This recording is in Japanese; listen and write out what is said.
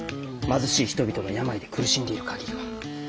貧しい人々が病で苦しんでいる限りは。